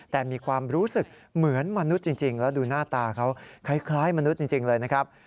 แต่มีความรู้สึกเหมือนมนุษย์จริงแล้วดูหน้าตาเขาคล้ายมนุษย์จริงเลยนะครับ